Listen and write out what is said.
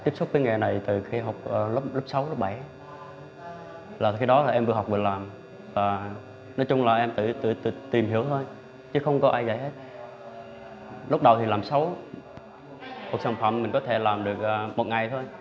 một sản phẩm mình có thể làm được một ngày thôi